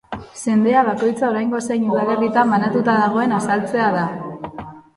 Zendea bakoitza oraingo zein udalerritan banatuta dagoen azaltzen da.